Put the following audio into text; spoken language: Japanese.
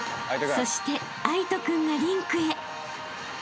［そして藍仁君がリンクへ］